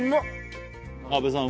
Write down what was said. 阿部さん